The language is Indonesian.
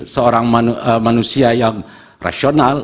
seorang manusia yang rasional